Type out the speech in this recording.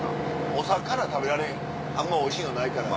お魚食べられへんあんまおいしいのないから。